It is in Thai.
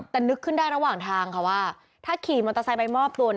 แต่นึกขึ้นได้ระหว่างทางค่ะว่าถ้าขี่มอเตอร์ไซค์ไปมอบตัว